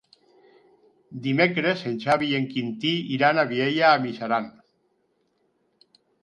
Dimecres en Xavi i en Quintí iran a Vielha e Mijaran.